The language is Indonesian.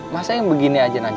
masa yang begini aja aja sama ube